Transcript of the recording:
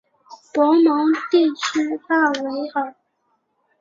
博蒙地区讷维尔。